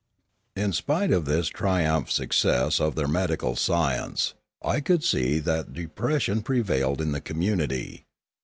In spite of this triumphant success of their medical science, I could see that depression prevailed in the community.